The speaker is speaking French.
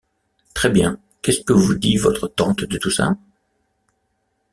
Très bien. Qu'est-ce que dit votre tante de tout ça ?